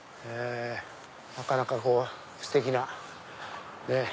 なかなかステキなね。